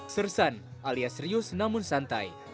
sersan alias serius namun santai